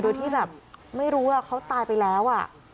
โดยที่แบบไม่รู้ว่าเขาตายไปแล้ว